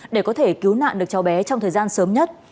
để có thể cứu nạn được cháu bé trong thời gian sớm nhất